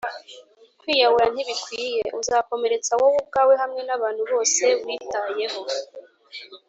kwiyahura ntibikwiye. uzakomeretsa wowe ubwawe hamwe nabantu bose witayeho.